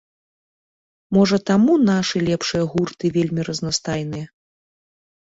Можа таму нашы лепшыя гурты вельмі разнастайныя.